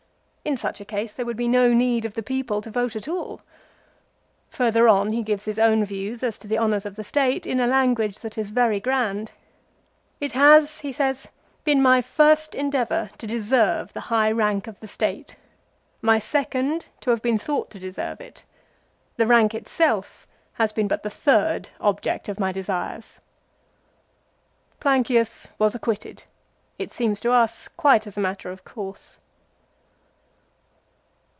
In such a case there would be no need of the people to vote at all. Further on he gives his own views as to the honours of the State in language that is very grand. " It has," he says, " been my first endeavour to deserve the high rank of the State. My second to have been thought to deserve it. The rank itself has been but the third object of my desires." ' Plancius was acquitted, it seems to us quite as a matter of course.